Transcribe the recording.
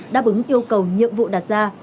đáp ứng yêu cầu nhiệm vụ đặt ra